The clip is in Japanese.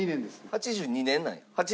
８２年なんや。